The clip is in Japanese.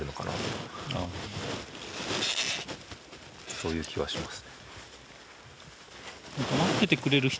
そういう気はしますね。